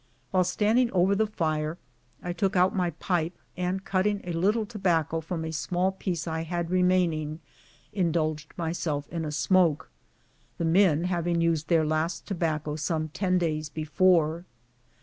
While standing over the fire, I took out my pipe, and, cutting a little tobacco from a small piece I had remaining, indulged myself in a smoke, the men having used their last tobacco some ten days be fore.